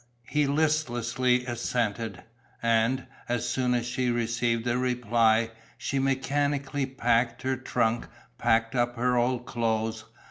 He listlessly assented. And, as soon as she received a reply, she mechanically packed her trunk, packed up her old clothes.